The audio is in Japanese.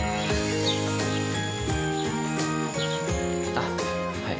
あっはい。